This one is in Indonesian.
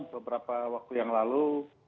beberapa waktu yang lalu